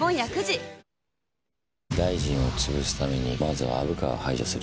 大臣を潰すためにまずは虻川を排除する。